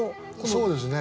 そうですね。